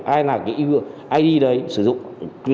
ai là cái id đấy sử dụng